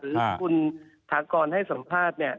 หรือคุณถากรให้สัมภาษณ์เนี่ย